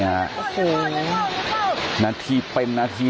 แล้วน้ำซัดมาอีกละรอกนึงนะฮะจนในจุดหลังคาที่เขาไปเกาะอยู่เนี่ย